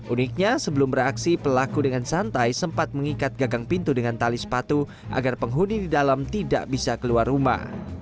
uniknya sebelum beraksi pelaku dengan santai sempat mengikat gagang pintu dengan tali sepatu agar penghuni di dalam tidak bisa keluar rumah